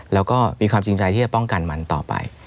แล้วก็มีความจริงใจที่จะป้องกันมันต่อไป